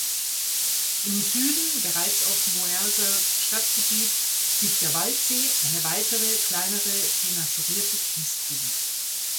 Im Süden, bereits auf Moerser Stadtgebiet, liegt der Waldsee, eine weitere, kleinere, renaturierte Kiesgrube.